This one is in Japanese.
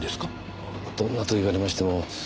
どんなと言われましても。